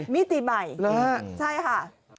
มิติใหม่ละ